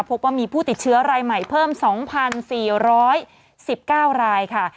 พบว่ามีผู้ติดเชื้อรายใหม่เพิ่ม๒๔๑๙รายค่ะ